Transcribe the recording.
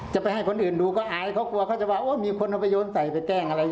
จะไปให้คนอื่นดูก็อายเขากลัวเขาจะว่ามีคนเอาไปโยนใส่ไปแกล้งอะไร